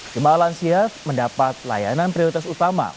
jemaah lansia mendapat layanan prioritas utama